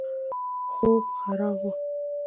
خوب خراب وو.